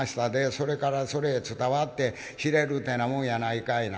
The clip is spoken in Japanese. それからそれへ伝わって知れるてぇなもんやないかいな。